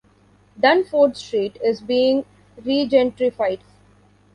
Durnford Street is being regentrified.